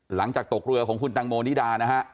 หลังจากตกเรือของคุณตังโมนิดานะฮะ